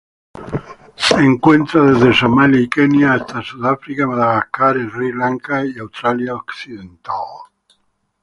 Se encuentra desde Somalia y Kenia hasta Sudáfrica, Madagascar, Sri Lanka y Australia Occidental.